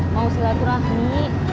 mau selatu rahmi